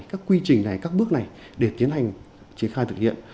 các quy trình này các bước này để tiến hành triển khai thực hiện